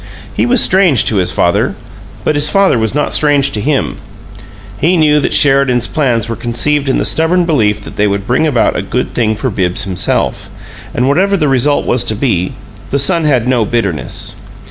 He was strange to his father, but his father was not strange to him. He knew that Sheridan's plans were conceived in the stubborn belief that they would bring about a good thing for Bibbs himself; and whatever the result was to be, the son had no bitterness.